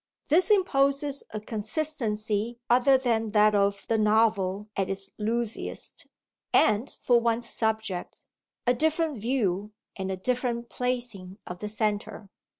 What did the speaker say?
This imposes a consistency other than that of the novel at its loosest, and, for one's subject, a different view and a different placing of the centre.